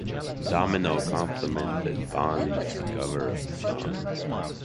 Domino complimented Boone's cover of the song.